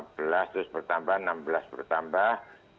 lima belas terus bertambah enam belas bertambah